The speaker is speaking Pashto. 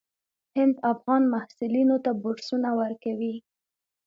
هند افغان محصلینو ته بورسونه ورکوي.